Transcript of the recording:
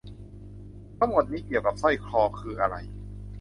ทั้งหมดนี้เกี่ยวกับสร้อยคอคืออะไร ?